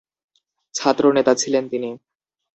ছাত্র নেতা ছিলেন তিনি।